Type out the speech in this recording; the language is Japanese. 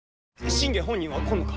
信玄本人は来んのか？